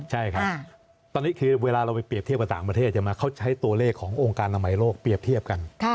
ใช่ครับตอนนี้คือเวลาเราไปเรียบเทียบกับต่างประเทศใช่ไหมเขาใช้ตัวเลขขององค์การอนามัยโลกเปรียบเทียบกัน